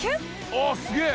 あっすげぇ！